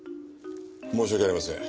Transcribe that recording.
申し訳ありません。